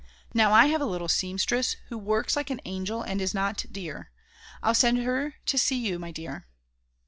Now I have a little seamstress who works like an angel and is not dear; I'll send her to see you, my dear."